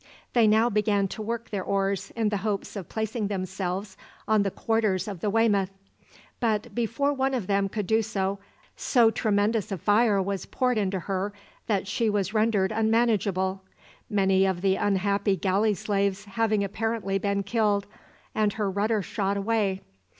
They now began to work their oars, in the hopes of placing themselves on the quarters of the "Weymouth," but before one of them could do so, so tremendous a fire was poured into her that she was rendered unmanageable, many of the unhappy galley slaves having apparently been killed, and her rudder shot away.